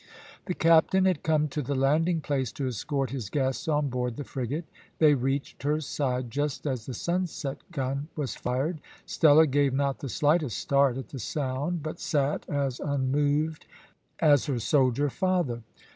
The captain had come to the landing place to escort his guests on board the frigate. They reached her side just as the sunset gun was fired. Stella gave not the slightest start at the sound, but sat as unmoved as her soldier father.